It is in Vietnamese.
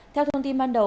theo thông tin ban đầu